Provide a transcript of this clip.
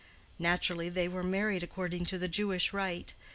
Naturally, they were married according to the Jewish rite.